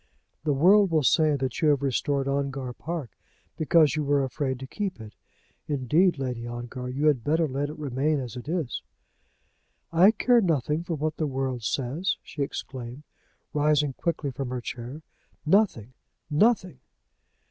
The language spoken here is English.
"The world will say that you have restored Ongar Park because you were afraid to keep it. Indeed, Lady Ongar, you had better let it remain as it is." "I care nothing for what the world says," she exclaimed, rising quickly from her chair; "nothing; nothing!"